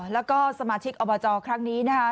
แล้วก็สมาชิกอบจครั้งนี้นะคะ